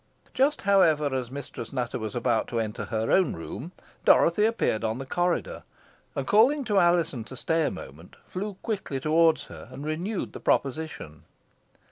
Just, however, as Mistress Nutter was about to enter her own room, Dorothy appeared on the corridor, and, calling to Alizon to stay a moment, flew quickly towards her, and renewed the proposition.